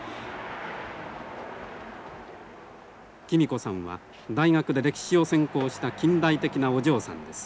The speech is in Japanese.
貴実子さんは大学で歴史を専攻した近代的なお嬢さんです。